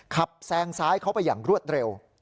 แซงซ้ายเข้าไปอย่างรวดเร็ว